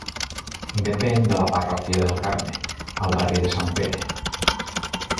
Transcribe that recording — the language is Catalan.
Depèn de la parròquia del Carme, al barri de Sant Pere.